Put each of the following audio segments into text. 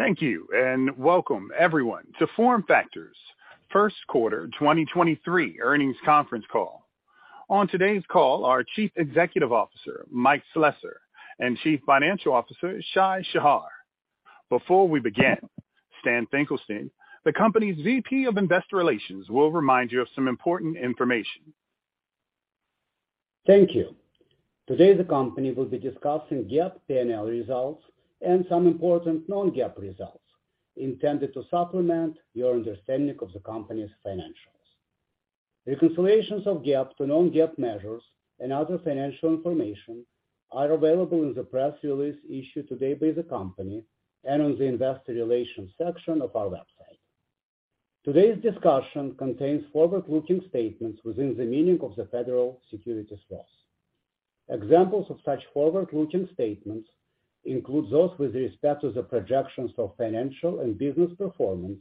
Thank you. Welcome everyone to FormFactor's first quarter 2023 earnings conference call. On today's call are Chief Executive Officer, Mike Slessor, and Chief Financial Officer, Shai Shahar. Before we begin, Stan Finkelstein, the company's VP of Investor Relations, will remind you of some important information. Thank you. Today, the company will be discussing GAAP P&L results and some important non-GAAP results intended to supplement your understanding of the company's financials. Reconciliations of GAAP to non-GAAP measures and other financial information are available in the press release issued today by the company and on the investor relations section of our website. Today's discussion contains forward-looking statements within the meaning of the federal securities laws. Examples of such forward-looking statements include those with respect to the projections of financial and business performance,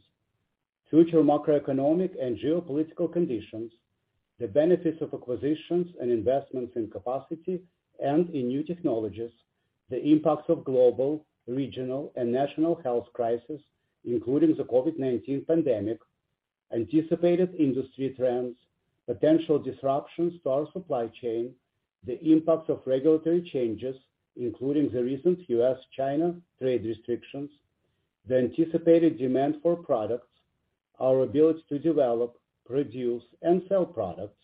future macroeconomic and geopolitical conditions, the benefits of acquisitions and investments in capacity and in new technologies, the impacts of global, regional, and national health crisis, including the COVID-19 pandemic, anticipated industry trends, potential disruptions to our supply chain, the impact of regulatory changes, including the recent US-China trade restrictions, the anticipated demand for products, our ability to develop, produce, and sell products,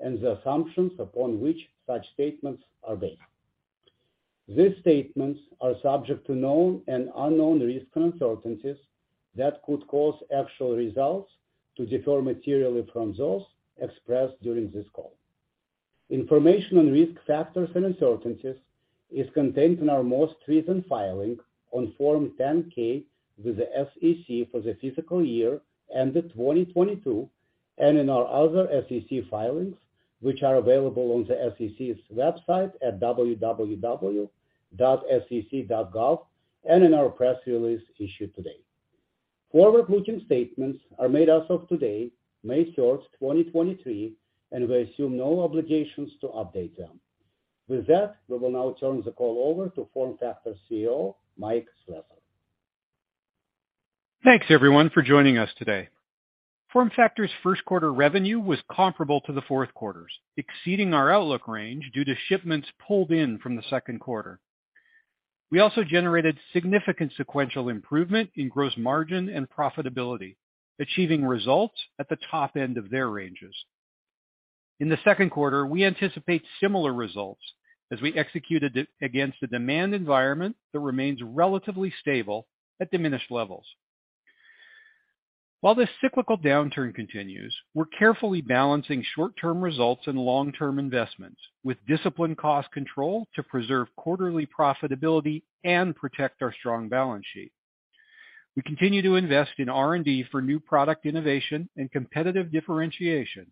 and the assumptions upon which such statements are based. These statements are subject to known and unknown risks and uncertainties that could cause actual results to differ materially from those expressed during this call. Information on risk factors and uncertainties is contained in our most recent filing on Form 10-K with the SEC for the fiscal year end of 2022 and in our other SEC filings, which are available on the SEC's website at www.sec.gov and in our press release issued today. Forward-looking statements are made as of today, May 4, 2023, and we assume no obligations to update them. With that, we will now turn the call over to FormFactor CEO, Mike Slessor. Thanks everyone for joining us today. FormFactor's first quarter revenue was comparable to the fourth quarter's, exceeding our outlook range due to shipments pulled in from the second quarter. We also generated significant sequential improvement in gross margin and profitability, achieving results at the top end of their ranges. In the second quarter, we anticipate similar results as we executed against the demand environment that remains relatively stable at diminished levels. While this cyclical downturn continues, we're carefully balancing short-term results and long-term investments with disciplined cost control to preserve quarterly profitability and protect our strong balance sheet. We continue to invest in R&D for new product innovation and competitive differentiation,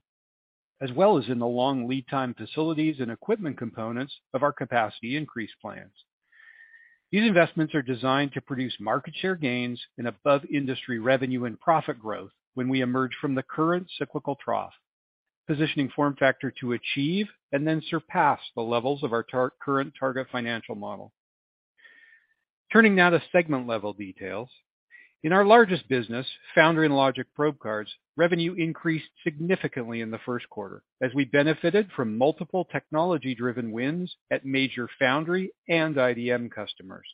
as well as in the long lead time facilities and equipment components of our capacity increase plans. These investments are designed to produce market share gains and above-industry revenue and profit growth when we emerge from the current cyclical trough, positioning FormFactor to achieve and then surpass the levels of our current target financial model. Turning now to segment-level details. In our largest business, foundry and logic probe cards, revenue increased significantly in the first quarter as we benefited from multiple technology-driven wins at major foundry and IDM customers.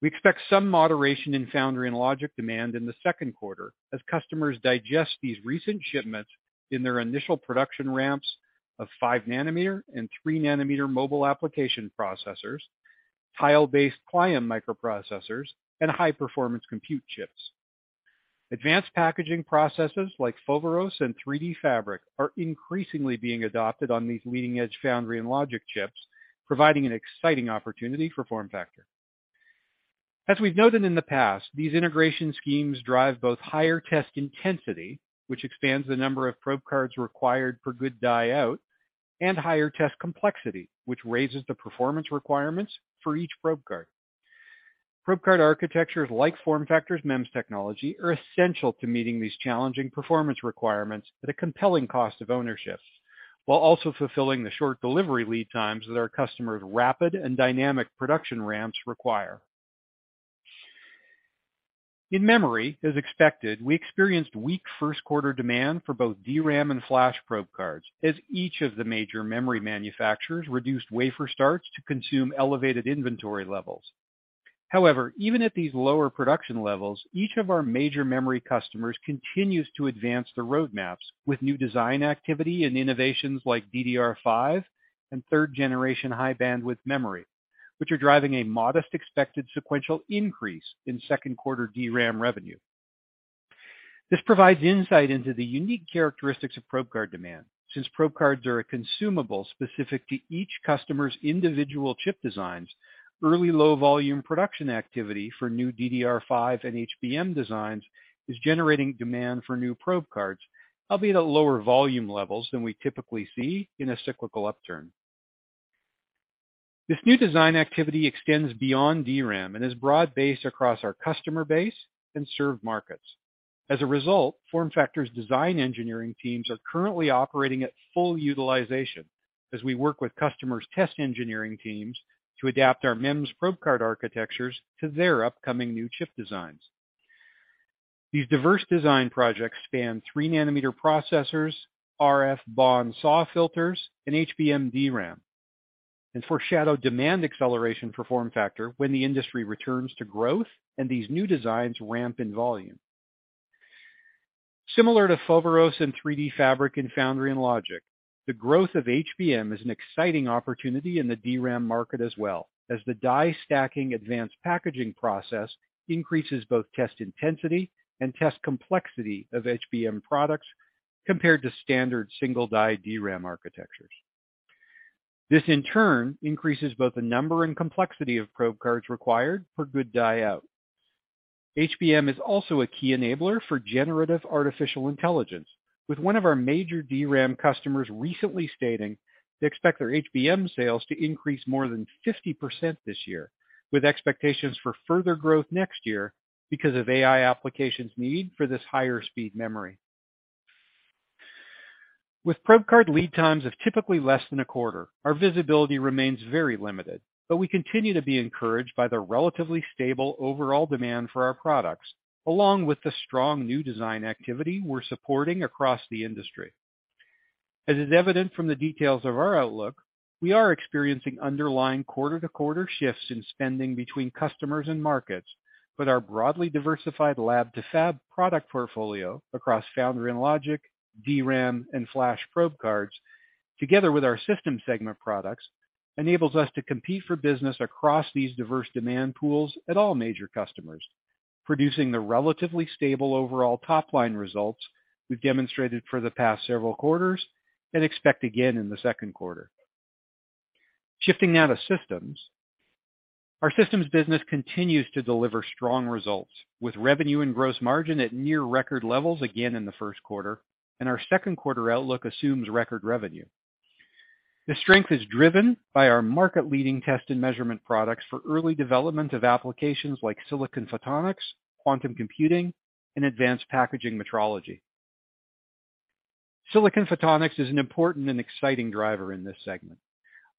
We expect some moderation in foundry and logic demand in the second quarter as customers digest these recent shipments in their initial production ramps of 5 nanometer and 3 nanometer mobile application processors, tile-based client microprocessors, and high-performance comput chips. Advanced packaging processes like Foveros and 3DFabric are increasingly being adopted on these leading-edge foundry and logic chips, providing an exciting opportunity for FormFactor. As we've noted in the past, these integration schemes drive both higher test intensity, which expands the number of probe cards required for known good die out, and higher test complexity, which raises the performance requirements for each probe card. Probe card architectures like FormFactor's MEMS technology are essential to meeting these challenging performance requirements at a compelling cost of ownership, while also fulfilling the short delivery lead times that our customers' rapid and dynamic production ramps require. In memory, as expected, we experienced weak first quarter demand for both DRAM and flash probe cards as each of the major memory manufacturers reduced wafer starts to consume elevated inventory levels. However, even at these lower production levels, each of our major memory customers continues to advance the roadmaps with new design activity and innovations like DDR5 and third-generation high-bandwidth memory, which are driving a modest expected sequential increase in second quarter DRAM revenue. This provides insight into the unique characteristics of probe card demand. Since probe cards are a consumable specific to each customer's individual chip designs, early low volume production activity for new DDR5 and HBM designs is generating demand for new probe cards, albeit at lower volume levels than we typically see in a cyclical upturn. This new design activity extends beyond DRAM and is broad-based across our customer base and served markets. As a result, FormFactor's design engineering teams are currently operating at full utilization as we work with customers' test engineering teams to adapt our MEMS probe card architectures to their upcoming new chip designs. These diverse design projects span 3 nanometer processors, RF BAW-SAW filters, and HBM DRAM, and foreshadow demand acceleration for FormFactor when the industry returns to growth and these new designs ramp in volume. Similar to Foveros and 3DFabric in foundry and logic, the growth of HBM is an exciting opportunity in the DRAM market as well, as the die-stacking advanced packaging process increases both test intensity and test complexity of HBM products compared to standard single-die DRAM architectures. This, in turn, increases both the number and complexity of probe cards required for good die out. HBM is also a key enabler for generative artificial intelligence, with one of our major DRAM customers recently stating they expect their HBM sales to increase more than 50% this year, with expectations for further growth next year because of AI applications' need for this higher speed memory. With probe card lead times of typically less than a quarter, our visibility remains very limited, but we continue to be encouraged by the relatively stable overall demand for our products, along with the strong new design activity we're supporting across the industry. As is evident from the details of our outlook, we are experiencing underlying quarter-to-quarter shifts in spending between customers and markets. Our broadly diversified lab-to-fab product portfolio across foundry and logic, DRAM, and flash probe cards, together with our systems segment products, enables us to compete for business across these diverse demand pools at all major customers, producing the relatively stable overall top-line results we've demonstrated for the past several quarters and expect again in the second quarter. Shifting now to systems. Our systems business continues to deliver strong results, with revenue and gross margin at near record levels again in the first quarter, and our second quarter outlook assumes record revenue. The strength is driven by our market-leading test and measurement products for early development of applications like silicon photonics, quantum computing, and advanced packaging metrology. Silicon photonics is an important and exciting driver in this segment.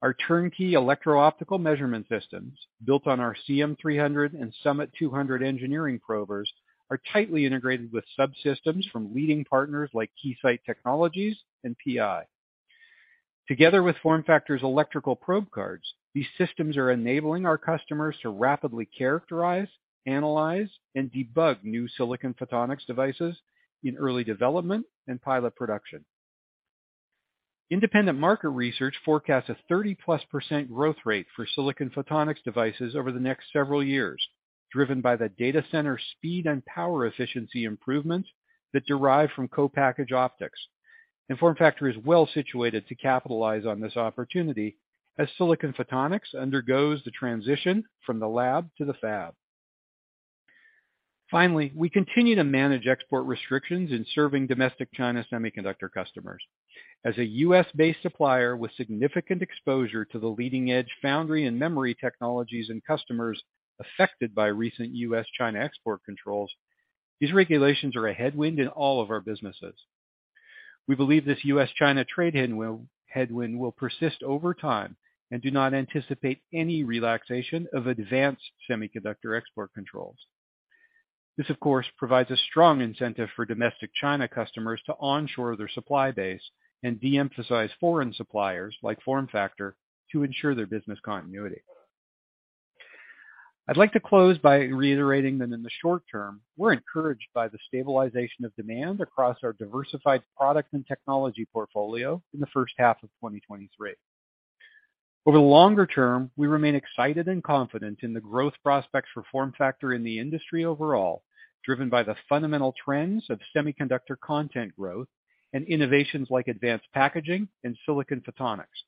Our turnkey electro-optical measurement systems, built on our CM300 and SUMMIT200 engineering probers, are tightly integrated with subsystems from leading partners like Keysight Technologies and PI. Together with FormFactor's electrical probe cards, these systems are enabling our customers to rapidly characterize, analyze, and debug new silicon photonics devices in early development and pilot production. Independent market research forecasts a 30-plus % growth rate for silicon photonics devices over the next several years, driven by the data center speed and power efficiency improvements that derive from co-packaged optics. FormFactor is well-situated to capitalize on this opportunity as silicon photonics undergoes the transition from the lab-to-fab. Finally, we continue to manage export restrictions in serving domestic China semiconductor customers. As a U.S.-based supplier with significant exposure to the leading-edge foundry and memory technologies and customers affected by recent U.S.-China export controls, these regulations are a headwind in all of our businesses. We believe this U.S.-China trade headwind will persist over time and do not anticipate any relaxation of advanced semiconductor export controls. This, of course, provides a strong incentive for domestic China customers to onshore their supply base and de-emphasize foreign suppliers like FormFactor to ensure their business continuity. I'd like to close by reiterating that in the short term, we're encouraged by the stabilization of demand across our diversified product and technology portfolio in the first half of 2023. Over the longer term, we remain excited and confident in the growth prospects for FormFactor in the industry overall, driven by the fundamental trends of semiconductor content growth and innovations like advanced packaging and silicon photonics.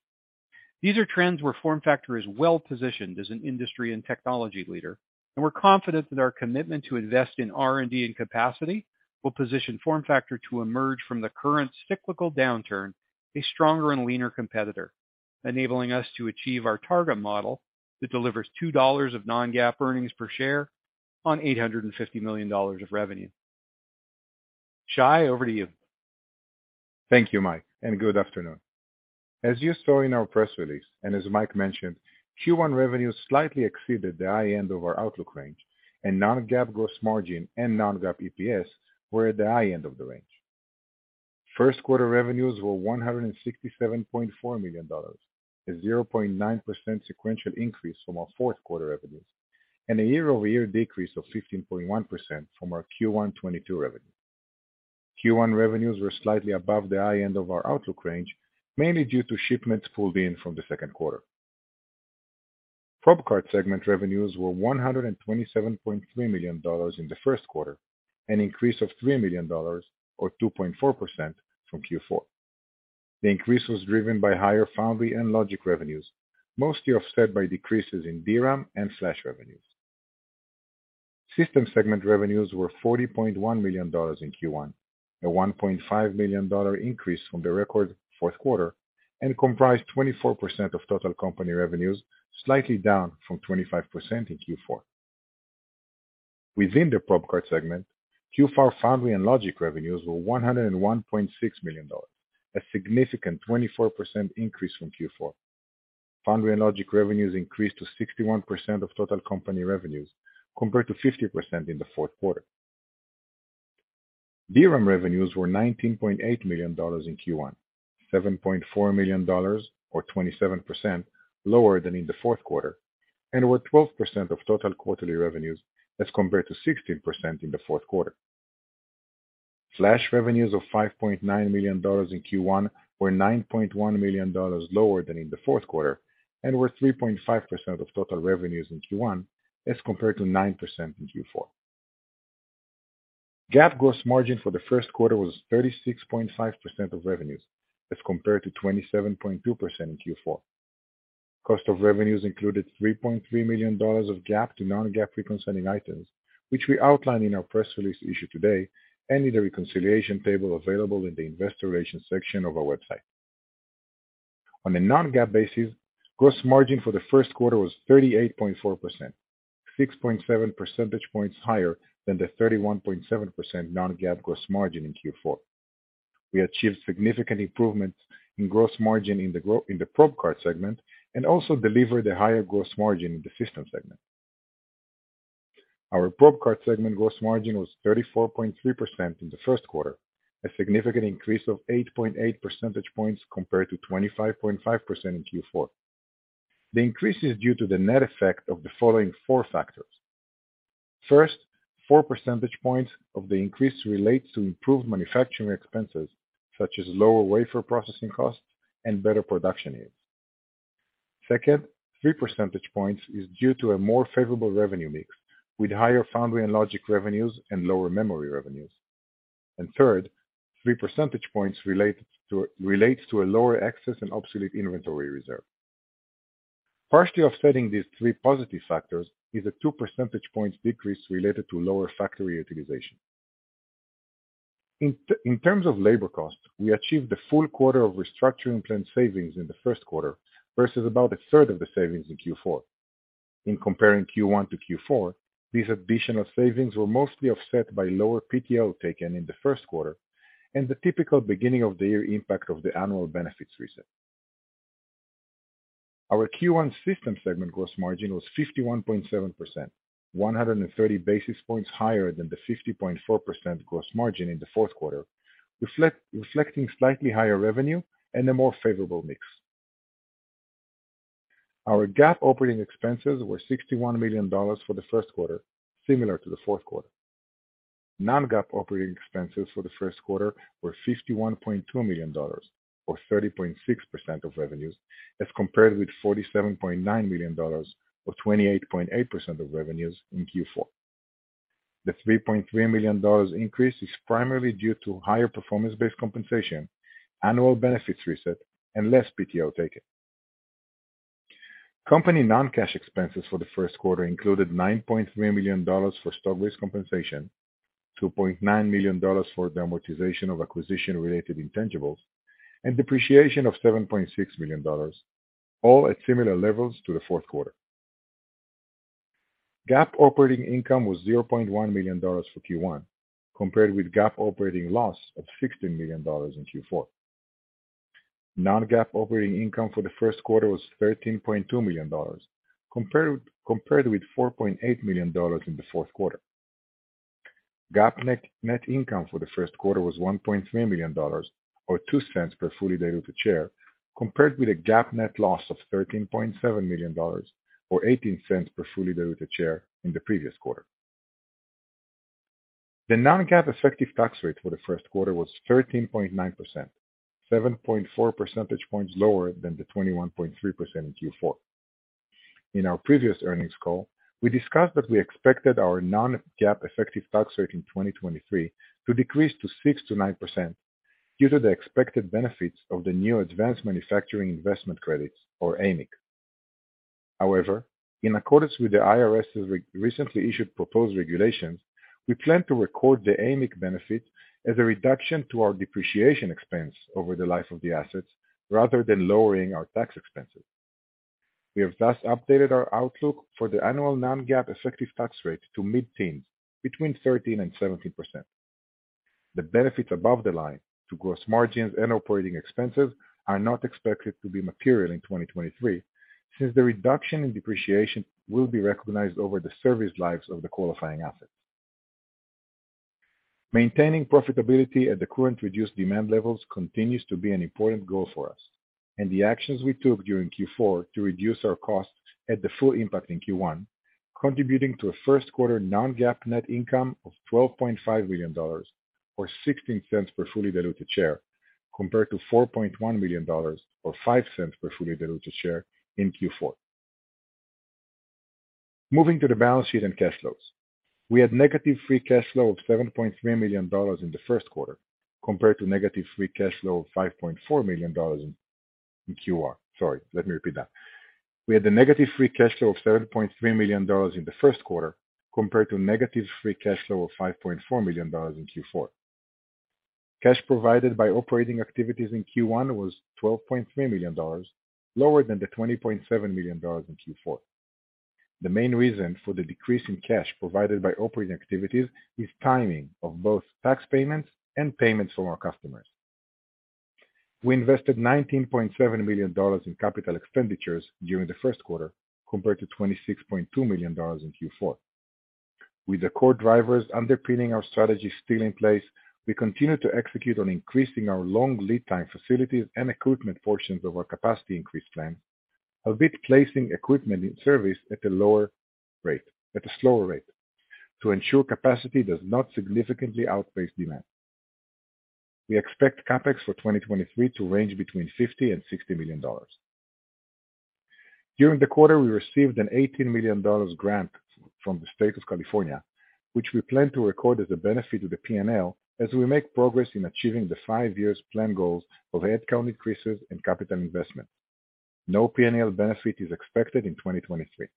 These are trends where FormFactor is well-positioned as an industry and technology leader, and we're confident that our commitment to invest in R&D and capacity will position FormFactor to emerge from the current cyclical downturn a stronger and leaner competitor, enabling us to achieve our target model that delivers $2 of non-GAAP earnings per share on $850 million of revenue. Shai, over to you. Thank you, Mike. Good afternoon. As you saw in our press release, and as Mike mentioned, Q1 revenues slightly exceeded the high end of our outlook range, and non-GAAP gross margin and non-GAAP EPS were at the high end of the range. First quarter revenues were $167.4 million, a 0.9% sequential increase from our fourth quarter revenues and a year-over-year decrease of 15.1% from our Q1 2022 revenue. Q1 revenues were slightly above the high end of our outlook range, mainly due to shipments pulled in from the second quarter. Probe card segment revenues were $127.3 million in the first quarter, an increase of $3 million or 2.4% from Q4. The increase was driven by higher foundry and logic revenues, mostly offset by decreases in DRAM and flash revenues. System segment revenues were $40.1 million in Q1, a $1.5 million increase from the record fourth quarter. Comprise 24% of total company revenues, slightly down from 25% in Q4. Within the probe card segment, Q4 foundry and logic revenues were $101.6 million, a significant 24% increase from Q4. Foundry and logic revenues increased to 61% of total company revenues, compared to 50% in the fourth quarter. DRAM revenues were $19.8 million in Q1, $7.4 million or 27% lower than in the fourth quarter, and were 12% of total quarterly revenues as compared to 16% in the fourth quarter. Flash revenues of $5.9 million in Q1 were $9.1 million lower than in the fourth quarter and were 3.5% of total revenues in Q1 as compared to 9% in Q4. GAAP gross margin for the first quarter was 36.5% of revenues as compared to 27.2% in Q4. Cost of revenues included $3.3 million of GAAP to non-GAAP reconciling items, which we outline in our press release issued today and in the reconciliation table available in the investor relations section of our website. On a non-GAAP basis, gross margin for the first quarter was 38.4%, 6.7 percentage points higher than the 31.7% non-GAAP gross margin in Q4. We achieved significant improvements in gross margin in the probe card segment and also delivered a higher gross margin in the system segment. Our probe card segment gross margin was 34.3% in the first quarter, a significant increase of 8.8 percentage points compared to 25.5% in Q4. The increase is due to the net effect of the following four factors. First, 4 percentage points of the increase relates to improved manufacturing expenses, such as lower wafer processing costs and better production yields. Second, 3 percentage points is due to a more favorable revenue mix with higher foundry and logic revenues and lower memory revenues. Third, 3 percentage points relates to a lower excess and obsolete inventory reserve. Partially offsetting these three positive factors is a 2 percentage points decrease related to lower factory utilization. In terms of labor costs, we achieved the full quarter of restructuring plan savings in the first quarter versus about a third of the savings in Q4. Comparing Q1 to Q4, these additional savings were mostly offset by lower PTO taken in the first quarter and the typical beginning of the year impact of the annual benefits reset. Our Q1 system segment gross margin was 51.7%, 130 basis points higher than the 50.4% gross margin in the fourth quarter, reflecting slightly higher revenue and a more favorable mix. Our GAAP operating expenses were $61 million for the first quarter, similar to the fourth quarter. Non-GAAP operating expenses for the first quarter were $51.2 million, or 30.6% of revenues, as compared with $47.9 million or 28.8% of revenues in Q4. The $3.3 million increase is primarily due to higher performance-based compensation, annual benefits reset, and less PTO taken. Company non-cash expenses for the first quarter included $9.3 million for stock-based compensation, $2.9 million for the amortization of acquisition-related intangibles, and depreciation of $7.6 million, all at similar levels to the fourth quarter. GAAP operating income was $0.1 million for Q1, compared with GAAP operating loss of $16 million in Q4. Non-GAAP operating income for the first quarter was $13.2 million, compared with $4.8 million in the fourth quarter. GAAP net income for the first quarter was $1.3 million or $0.02 per fully diluted share, compared with a GAAP net loss of $13.7 million or $0.18 per fully diluted share in the previous quarter. The non-GAAP effective tax rate for the first quarter was 13.9%, 7.4 percentage points lower than the 21.3% in Q4. In our previous earnings call, we discussed that we expected our non-GAAP effective tax rate in 2023 to decrease to 6%-9% due to the expected benefits of the new Advanced Manufacturing Investment Credit or AMIC. However, in accordance with the IRS's recently issued proposed regulations, we plan to record the AMIC benefit as a reduction to our depreciation expense over the life of the assets rather than lowering our tax expenses. We have thus updated our outlook for the annual non-GAAP effective tax rate to mid-teens, between 13% and 17%. The benefits above the line to gross margins and operating expenses are not expected to be material in 2023, since the reduction in depreciation will be recognized over the service lives of the qualifying assets. Maintaining profitability at the current reduced demand levels continues to be an important goal for us. The actions we took during Q4 to reduce our costs had the full impact in Q1, contributing to a first quarter non-GAAP net income of $12.5 million or $0.16 per fully diluted share, compared to $4.1 million or $0.05 per fully diluted share in Q4. Moving to the balance sheet and cash flows. We had negative free cash flow of $7.3 million in the first quarter, compared to negative free cash flow of $5.4 million in Q1. Sorry, let me repeat that. We had a negative free cash flow of $7.3 million in the first quarter compared to negative free cash flow of $5.4 million in Q4. Cash provided by operating activities in Q1 was $12.3 million, lower than the $20.7 million in Q4. The main reason for the decrease in cash provided by operating activities is timing of both tax payments and payments from our customers. We invested $19.7 million in capital expenditures during the first quarter, compared to $26.2 million in Q4. With the core drivers underpinning our strategy still in place, we continue to execute on increasing our long lead time facilities and equipment portions of our capacity increase plan, albeit placing equipment in service at a slower rate to ensure capacity does not significantly outpace demand. We expect CapEx for 2023 to range between $50 million and $60 million. During the quarter, we received an $18 million grant from the state of California, which we plan to record as a benefit to the P&L as we make progress in achieving the 5 years plan goals of headcount increases and capital investment. No P&L benefit is expected in 2023.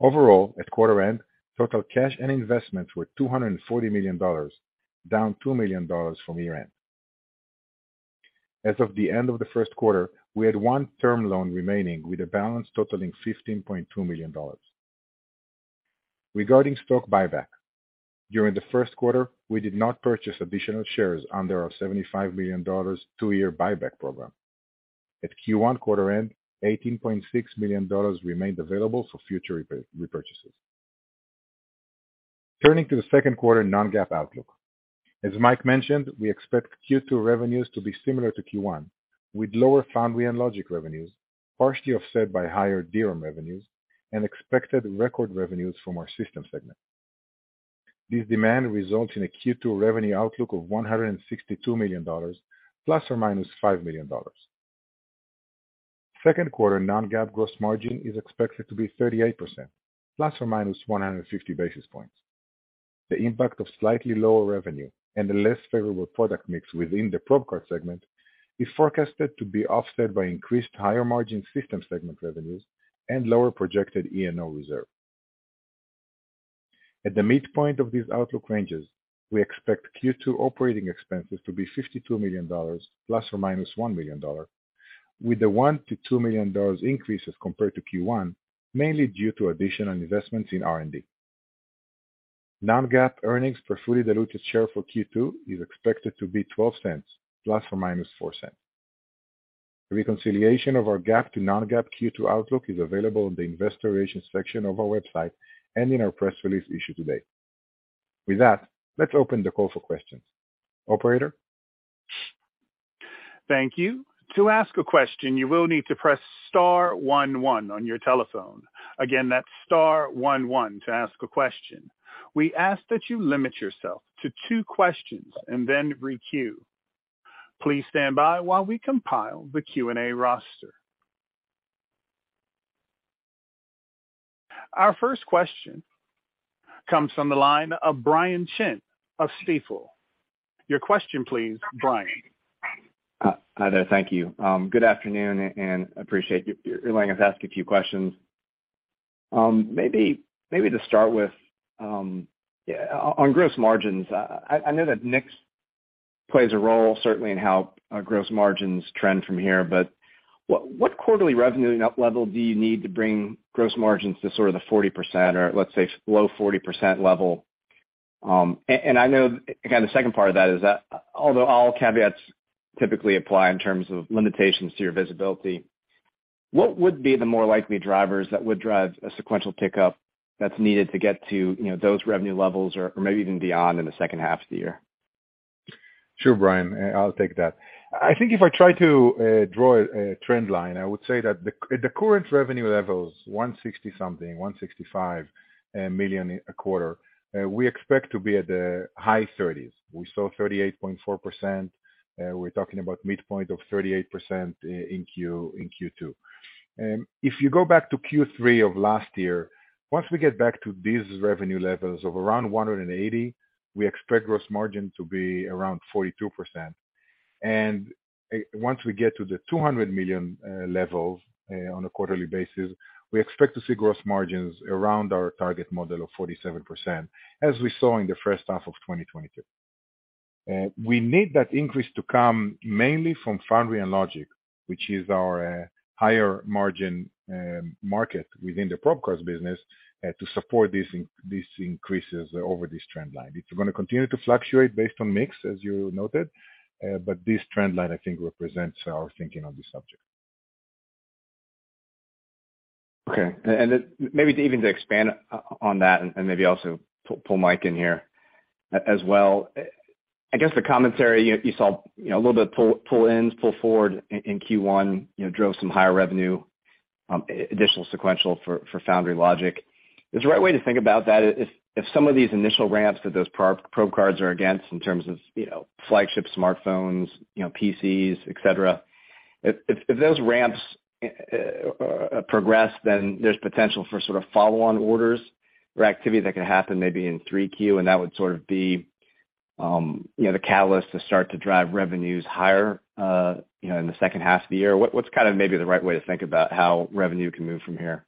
Overall, at quarter end, total cash and investments were $240 million, down $2 million from year-end. As of the end of the first quarter, we had one term loan remaining with a balance totaling $15.2 million. Regarding stock buyback, during the first quarter, we did not purchase additional shares under our $75 million two-year buyback program. At Q1 quarter end, $18.6 million remained available for future repurchases. Turning to the second quarter non-GAAP outlook. As Mike mentioned, we expect Q2 revenues to be similar to Q1, with lower Foundry and Logic revenues, partially offset by higher DRAM revenues and expected record revenues from our system segment. This demand results in a Q2 revenue outlook of $162 million ±$5 million. Second quarter non-GAAP gross margin is expected to be 38% ±150 basis points. The impact of slightly lower revenue and a less favorable product mix within the probe card segment is forecasted to be offset by increased higher margin system segment revenues and lower projected ENO reserve. At the midpoint of these outlook ranges, we expect Q2 operating expenses to be $52 million ± $1 million, with the $1 million-$2 million increases compared to Q1, mainly due to additional investments in R&D. Non-GAAP earnings per fully diluted share for Q2 is expected to be $0.12 ± $0.04. A reconciliation of our GAAP to non-GAAP Q2 outlook is available on the investor relations section of our website and in our press release issued today. With that, let's open the call for questions. Operator? Thank you. To ask a question, you will need to press star one one on your telephone. Again, that's star one one to ask a question. We ask that you limit yourself to two questions and then re-queue. Please stand by while we compile the Q&A roster. Our first question comes from the line of Brian Chin of Stifel. Your question please, Brian. Hi there. Thank you. Good afternoon, appreciate you letting us ask a few questions. Maybe to start with, on gross margins, I know that mix plays a role, certainly in how gross margins trend from here. What quarterly revenue level do you need to bring gross margins to sort of the 40% or let's say low 40% level? The second part of that is that although all caveats typically apply in terms of limitations to your visibility, what would be the more likely drivers that would drive a sequential pickup that's needed to get to, you know, those revenue levels or maybe even beyond in the second half of the year? Sure, Brian, I'll take that. I think if I try to draw a trend line, I would say that at the current revenue levels, 160 something, $165 million a quarter, we expect to be at the high 30s. We saw 38.4%. We're talking about midpoint of 38% in Q, in Q2. If you go back to Q3 of last year, once we get back to these revenue levels of around $180, we expect gross margin to be around 42%. Once we get to the $200 million levels on a quarterly basis, we expect to see gross margins around our target model of 47%, as we saw in the first half of 2022. We need that increase to come mainly from Foundry and Logic, which is our higher margin, market within the probe cards business, to support these increases over this trend line. It's gonna continue to fluctuate based on mix, as you noted, but this trend line, I think, represents our thinking on this subject. Okay. Then maybe even to expand on that and maybe also pull Mike in here as well. I guess the commentary you saw, you know, a little bit pull in, pull forward in Q1, you know, drove some higher revenue, additional sequential for foundry and Logic. Is the right way to think about that if some of these initial ramps that those probe cards are against in terms of, you know, flagship smartphones, you know, PCs, et cetera. If those ramps progress, then there's potential for sort of follow-on orders or activity that could happen maybe in 3Q, that would sort of be, you know, the catalyst to start to drive revenues higher, you know, in the second half of the year. What's kind of maybe the right way to think about how revenue can move from here?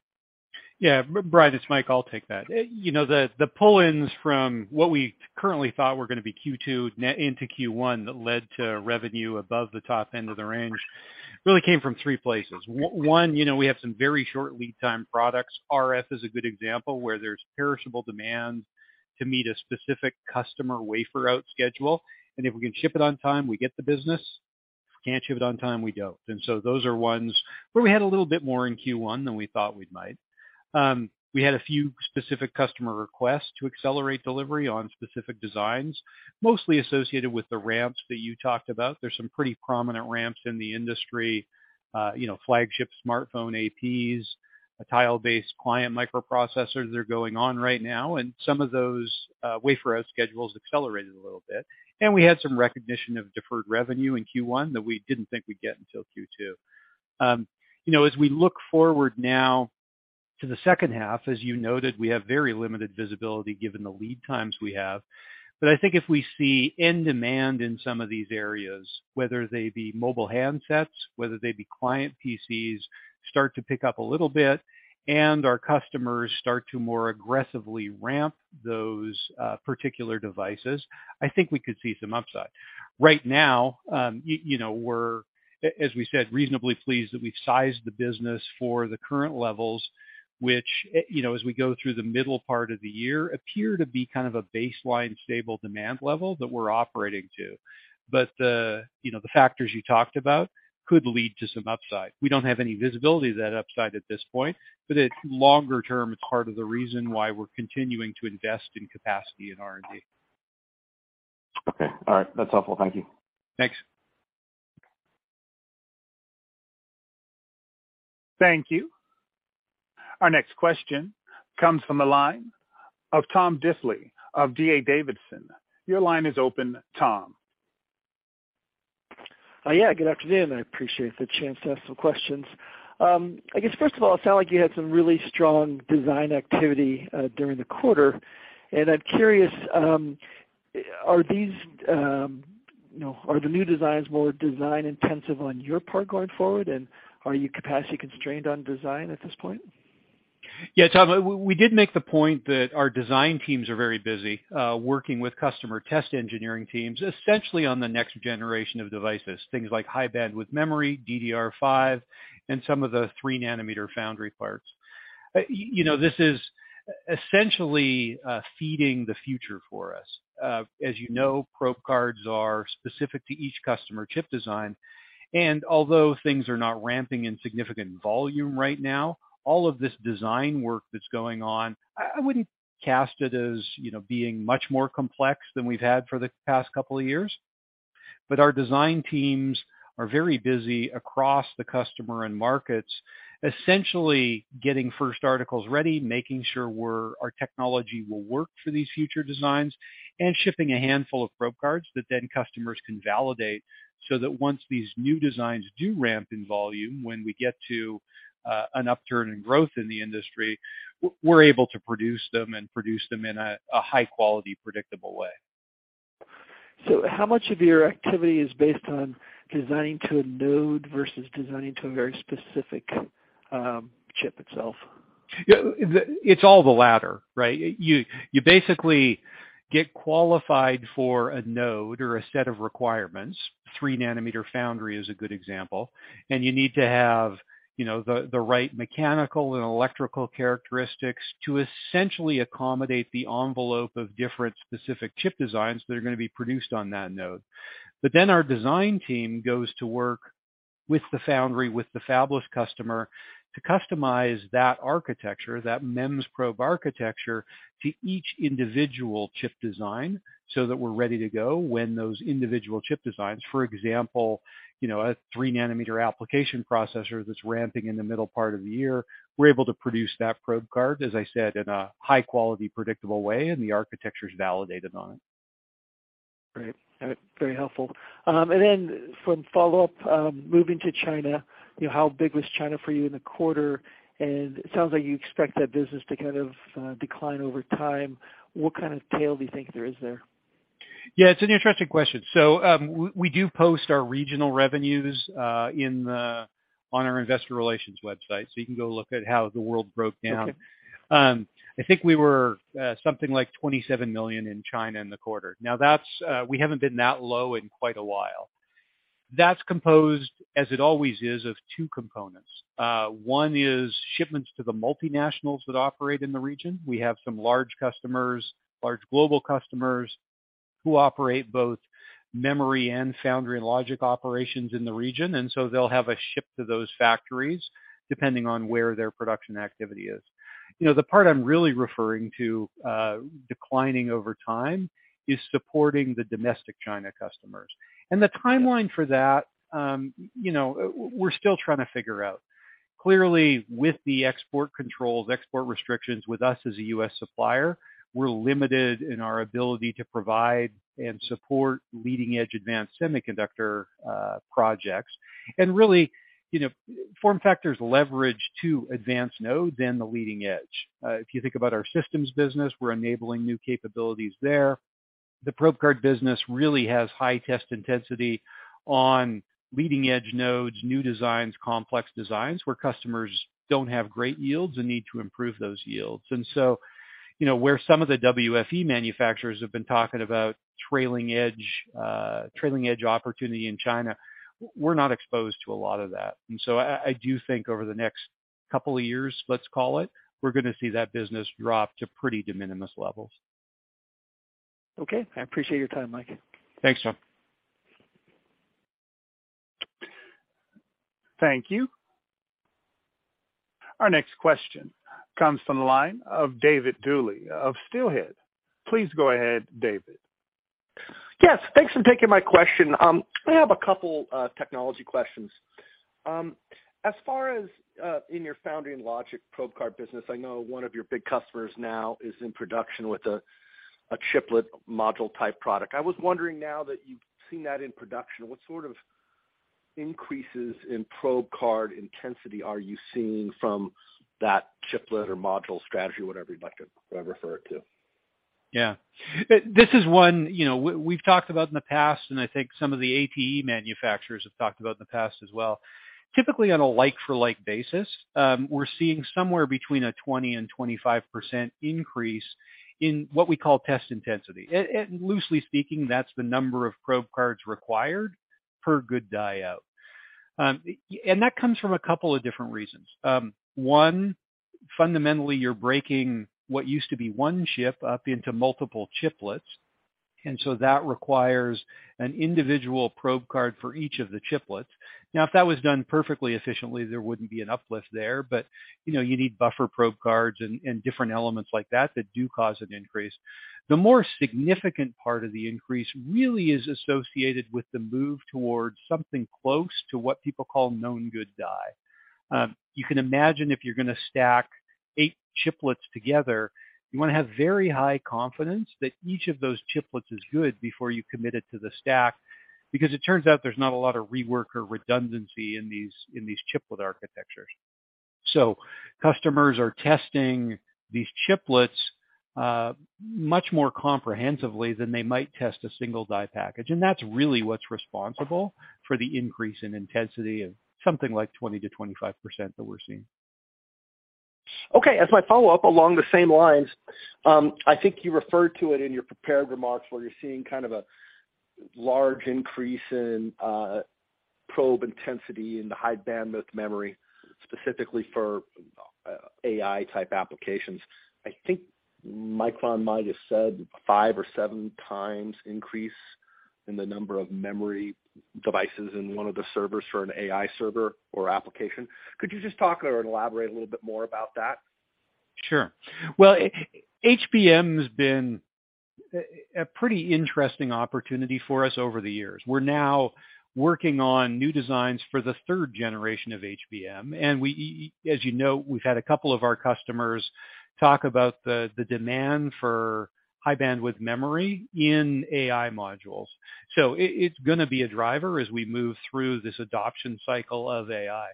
Yeah. Brian, it's Mike, I'll take that. You know the pull-ins from what we currently thought were gonna be Q2 net into Q1 that led to revenue above the top end of the range really came from three places. One, you know, we have some very short lead time products. RF is a good example where there's perishable demand to meet a specific customer wafer out schedule. If we can ship it on time, we get the business. If we can't ship it on time, we don't. Those are ones where we had a little bit more in Q1 than we thought we'd might. We had a few specific customer requests to accelerate delivery on specific designs, mostly associated with the ramps that you talked about. There's some pretty prominent ramps in the industry, you know, flagship smartphone, APs, a tile-based client microprocessors that are going on right now, and some of those wafer schedules accelerated a little bit. We had some recognition of deferred revenue in Q1 that we didn't think we'd get until Q2. You know, as we look forward now to the second half, as you noted, we have very limited visibility given the lead times we have. I think if we see end demand in some of these areas, whether they be mobile handsets, whether they be client PCs, start to pick up a little bit and our customers start to more aggressively ramp those particular devices, I think we could see some upside. Right now, you know, we're as we said, reasonably pleased that we've sized the business for the current levels, which, you know, as we go through the middle part of the year, appear to be kind of a baseline stable demand level that we're operating to. The, you know, the factors you talked about could lead to some upside. We don't have any visibility to that upside at this point, but it's longer term, it's part of the reason why we're continuing to invest in capacity and R&D. Okay. All right. That's helpful. Thank you. Thanks. Thank you. Our next question comes from the line of Tom Diffley of D.A. Davidson. Your line is open, Tom. Yeah, good afternoon. I appreciate the chance to ask some questions. I guess, first of all, it sounds like you had some really strong design activity during the quarter. I'm curious, you know, are the new designs more design-intensive on your part going forward, and are you capacity constrained on design at this point? Yeah, Tom. We did make the point that our design teams are very busy, working with customer test engineering teams, essentially on the next generation of devices, things like high bandwidth memory, DDR5, and some of the 3 nanometer foundry parts. You know, this is essentially, feeding the future for us. As you know, probe cards are specific to each customer chip design. Although things are not ramping in significant volume right now, all of this design work that's going on, I wouldn't cast it as, you know, being much more complex than we've had for the past couple of years. Our design teams are very busy across the customer and markets, essentially getting first articles ready, making sure our technology will work for these future designs, and shipping a handful of probe cards that then customers can validate so that once these new designs do ramp in volume, when we get to an upturn in growth in the industry, we're able to produce them and produce them in a high quality, predictable way. How much of your activity is based on designing to a node versus designing to a very specific, chip itself? Yeah. It's all the latter, right? You basically get qualified for a node or a set of requirements. Three nanometer foundry is a good example. You need to have, you know, the right mechanical and electrical characteristics to essentially accommodate the envelope of different specific chip designs that are gonna be produced on that node. Our design team goes to work with the foundry, with the fabless customer to customize that architecture, that MEMS probe architecture to each individual chip design so that we're ready to go when those individual chip designs, for example, you know, a three nanometer application processor that's ramping in the middle part of the year, we're able to produce that probe card, as I said, in a high quality, predictable way, and the architecture is validated on it. Great. Very helpful. From follow-up, moving to China, you know, how big was China for you in the quarter? It sounds like you expect that business to kind of decline over time. What kind of tail do you think there is there? Yeah, it's an interesting question. We do post our regional revenues on our investor relations website. You can go look at how the world broke down. Okay. I think we were something like $27 million in China in the quarter. That's, we haven't been that low in quite a while. That's composed, as it always is, of two components. One is shipments to the multinationals that operate in the region. We have some large customers, large global customers who operate both memory and foundry and logic operations in the region, and so they'll have a ship to those factories depending on where their production activity is. You know, the part I'm really referring to, declining over time is supporting the domestic China customers. The timeline for that, you know, we're still trying to figure out. Clearly, with the export controls, export restrictions with us as a U.S. supplier, we're limited in our ability to provide and support leading-edge advanced semiconductor projects. You know, form factors leverage to advanced nodes and the leading edge. If you think about our systems business, we're enabling new capabilities there. The probe card business really has high test intensity on leading-edge nodes, new designs, complex designs, where customers don't have great yields and need to improve those yields. You know, where some of the WFE manufacturers have been talking about trailing edge, trailing edge opportunity in China, we're not exposed to a lot of that. I do think over the next couple of years, let's call it, we're gonna see that business drop to pretty de minimis levels. Okay. I appreciate your time, Mike. Thanks, John. Thank you. Our next question comes from the line of David Duley of Steelhead. Please go ahead, David. Yes, thanks for taking my question. I have a couple technology questions. As far as in your founding logic probe card business, I know one of your big customers now is in production with a chiplet module type product. I was wondering now that you've seen that in production, what sort of increases in probe card intensity are you seeing from that chiplet or module strategy, whatever you'd like to refer it to? Yeah. This is one, you know, we've talked about in the past. I think some of the APE manufacturers have talked about in the past as well. Typically, on a like-for-like basis, we're seeing somewhere between a 20% and 25% increase in what we call test intensity. Loosely speaking, that's the number of probe cards required per good die out. That comes from a couple of different reasons. One, fundamentally, you're breaking what used to be one chip up into multiple chiplets. That requires an individual probe card for each of the chiplets. Now, if that was done perfectly efficiently, there wouldn't be an uplift there. You know, you need buffer probe cards and different elements like that that do cause an increase. The more significant part of the increase really is associated with the move towards something close to what people call known good die. You can imagine if you're gonna stack eight chiplets together, you wanna have very high confidence that each of those chiplets is good before you commit it to the stack, because it turns out there's not a lot of rework or redundancy in these chiplet architectures. Customers are testing these chiplets much more comprehensively than they might test a single die package. That's really what's responsible for the increase in intensity of something like 20%-25% that we're seeing. Okay. As my follow-up, along the same lines, I think you referred to it in your prepared remarks, where you're seeing kind of a large increase in probe intensity in the high-bandwidth memory, specifically for AI-type applications. I think Micron might have said five or seven times increase in the number of memory devices in one of the servers for an AI server or application. Could you just talk or elaborate a little bit more about that? Sure. Well, HBM has been a pretty interesting opportunity for us over the years. We're now working on new designs for the third generation of HBM, as you know, we've had a couple of our customers talk about the demand for high-bandwidth memory in AI modules. It's gonna be a driver as we move through this adoption cycle of AI.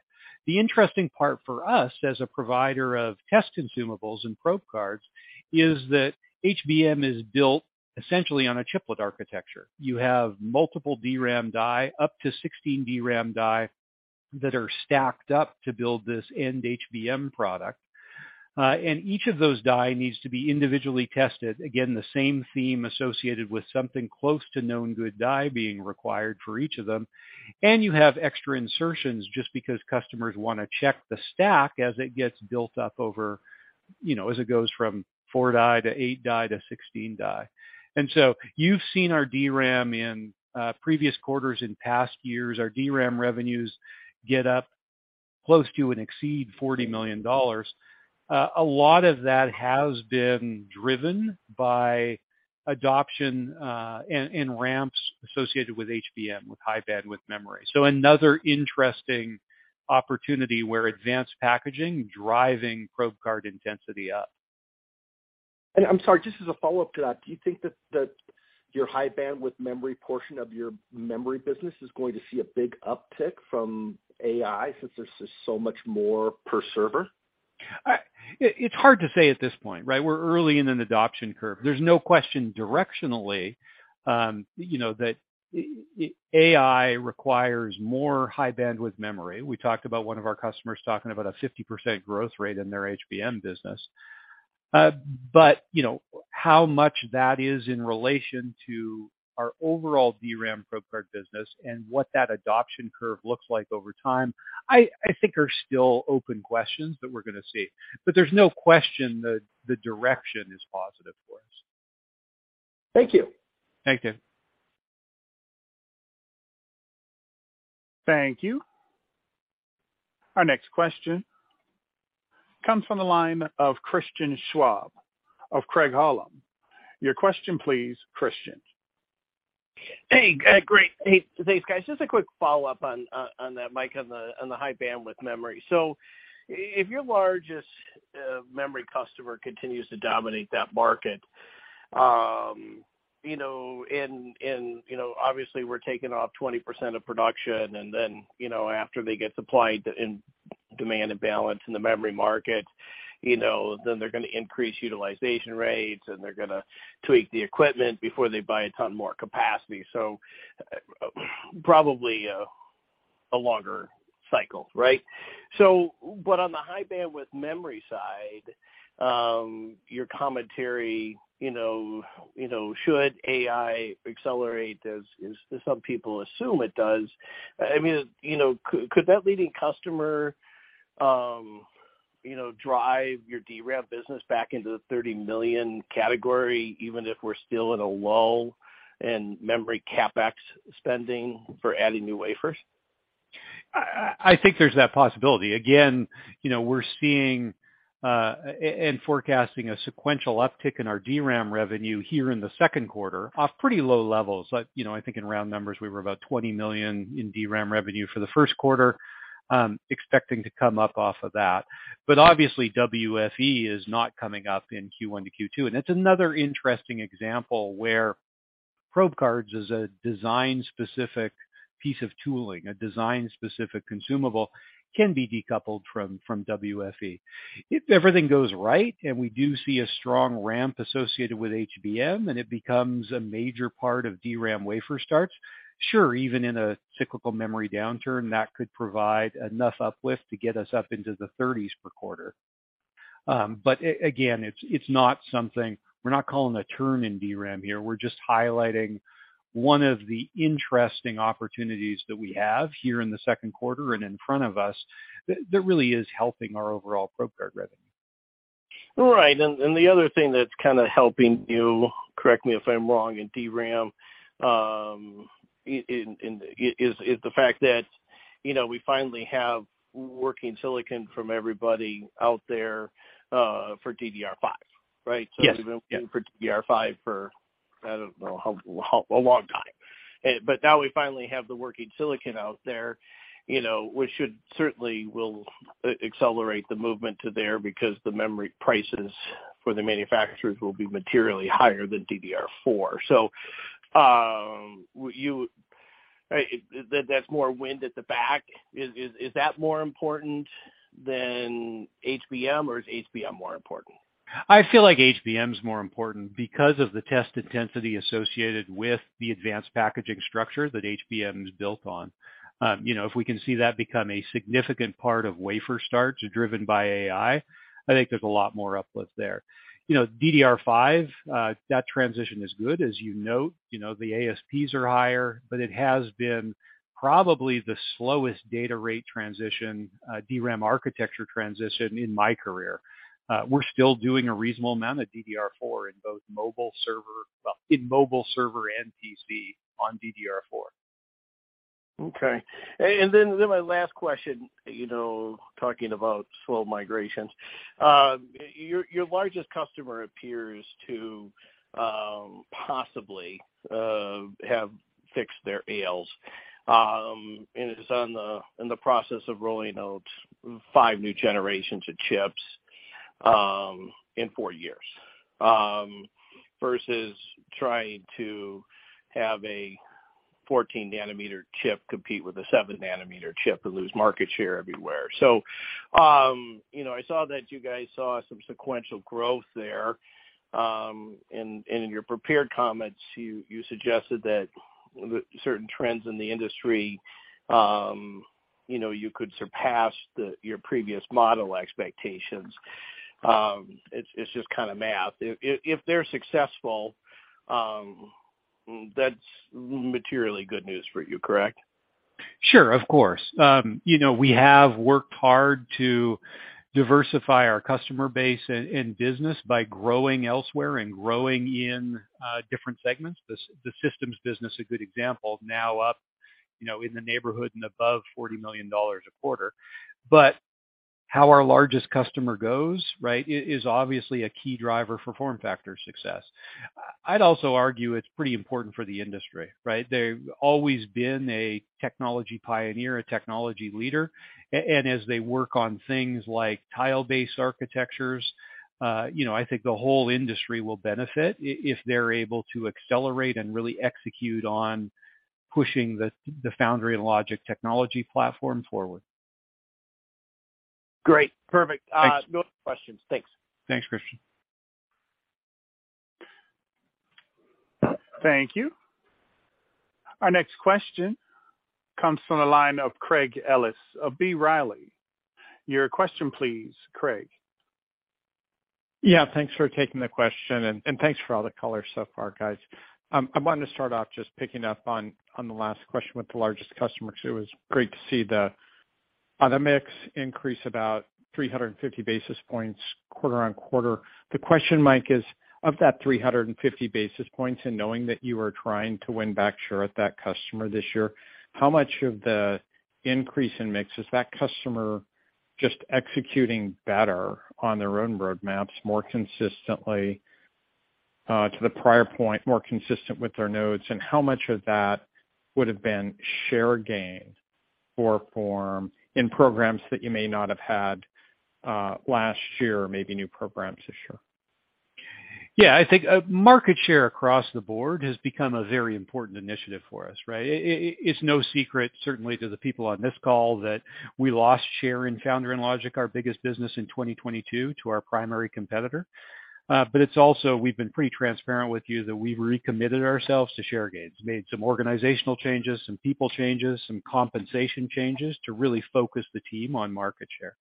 The interesting part for us as a provider of test consumables and probe cards is that HBM is built essentially on a chiplet architecture. You have multiple DRAM die, up to 16 DRAM die, that are stacked up to build this end HBM product. Each of those die needs to be individually tested. Again, the same theme associated with something close to known good die being required for each of them. You have extra insertions just because customers wanna check the stack as it gets built up over, you know, as it goes from four die to eight die to 16 die. You've seen our DRAM in previous quarters in past years. Our DRAM revenues get up close to and exceed $40 million. A lot of that has been driven by adoption and ramps associated with HBM, with high-bandwidth memory. Another interesting opportunity where advanced packaging driving probe card intensity up. I'm sorry, just as a follow-up to that, do you think that your high-bandwidth memory portion of your memory business is going to see a big uptick from AI since there's just so much more per server? It's hard to say at this point, right? We're early in an adoption curve. There's no question directionally, you know, that AI requires more high-bandwidth memory. We talked about one of our customers talking about a 50% growth rate in their HBM business. You know, how much that is in relation to our overall DRAM probe card business and what that adoption curve looks like over time, I think are still open questions that we're gonna see. There's no question that the direction is positive for us. Thank you. Thank you. Thank you. Our next question comes from the line of Christian Schwab of Craig-Hallum. Your question, please, Christian. Hey, great. Hey. Thanks, guys. Just a quick follow-up on that, Mike, on the high-bandwidth memory. If your largest memory customer continues to dominate that market, and obviously we're taking off 20% of production, and then, after they get supplied in. Demand and balance in the memory market, you know, then they're gonna increase utilization rates, and they're gonna tweak the equipment before they buy a ton more capacity. Probably a longer cycle, right? But on the high bandwidth memory side, your commentary, you know, should AI accelerate as some people assume it does. I mean, you know, could that leading customer, you know, drive your DRAM business back into the $30 million category, even if we're still in a lull in memory CapEx spending for adding new wafers? I think there's that possibility. You know, we're seeing and forecasting a sequential uptick in our DRAM revenue here in the second quarter off pretty low levels. Like, you know, I think in round numbers, we were about $20 million in DRAM revenue for the first quarter, expecting to come up off of that. Obviously WFE is not coming up in Q1 to Q2, and that's another interesting example where probe cards is a design-specific piece of tooling. A design-specific consumable can be decoupled from WFE. If everything goes right, and we do see a strong ramp associated with HBM, and it becomes a major part of DRAM wafer starts, sure, even in a cyclical memory downturn, that could provide enough uplift to get us up into the 30s per quarter. Again, it's not something... We're not calling a turn in DRAM here. We're just highlighting one of the interesting opportunities that we have here in the second quarter and in front of us that really is helping our overall probe card revenue. Right. The other thing that's kinda helping you, correct me if I'm wrong, in DRAM, is the fact that, you know, we finally have working silicon from everybody out there for DDR5, right? Yes. We've been waiting for DDR5 for, I don't know how... A long time. Now we finally have the working silicon out there, you know, which should certainly will accelerate the movement to there because the memory prices for the manufacturers will be materially higher than DDR4. That's more wind at the back. Is that more important than HBM, or is HBM more important? I feel like HBM is more important because of the test intensity associated with the advanced packaging structure that HBM is built on. You know, if we can see that become a significant part of wafer starts driven by AI, I think there's a lot more uplift there. You know, DDR5, that transition is good, as you note. You know, the ASPs are higher, but it has been probably the slowest data rate transition, DRAM architecture transition in my career. We're still doing a reasonable amount of DDR4 in both mobile server and PC on DDR4. My last question, you know, talking about slow migrations. Your largest customer appears to possibly have fixed their ALs and is in the process of rolling out 5 new generations of chips in 4 years versus trying to have a 14-nanometer chip compete with a 7-nanometer chip and lose market share everywhere. You know, I saw that you guys saw some sequential growth there, and in your prepared comments, you suggested that certain trends in the industry, you know, you could surpass your previous model expectations. It's just kinda math. If they're successful, that's materially good news for you, correct? Sure, of course. you know, we have worked hard to diversify our customer base and business by growing elsewhere and growing in different segments. The systems business, a good example, now up, you know, in the neighborhood and above $40 million a quarter. How our largest customer goes, right, is obviously a key driver for FormFactor's success. I'd also argue it's pretty important for the industry, right? They've always been a technology pioneer, a technology leader. As they work on things like tile-based architectures, you know, I think the whole industry will benefit if they're able to accelerate and really execute on pushing the foundry and logic technology platform forward. Great. Perfect. Thanks. No questions. Thanks. Thanks, Christian. Thank you. Our next question comes from the line of Craig Ellis of B. Riley. Your question please, Craig. Yeah, thanks for taking the question, and thanks for all the color so far, guys. I wanted to start off just picking up on the last question with the largest customer, 'cause it was great to see the mix increase about 350 basis points quarter-on-quarter. The question, Mike, is, of that 350 basis points, and knowing that you are trying to win back share at that customer this year, how much of the increase in mix is that customer just executing better on their own roadmaps more consistently, to the prior point, more consistent with their nodes, and how much of that would've been share gain for Form in programs that you may not have had last year, maybe new programs this year? Yeah, I think market share across the board has become a very important initiative for us, right? It's no secret, certainly to the people on this call, that we lost share in foundry and logic, our biggest business in 2022 to our primary competitor. It's also we've been pretty transparent with you that we've recommitted ourselves to share gains, made some organizational changes, some people changes, some compensation changes to really focus the team on market share.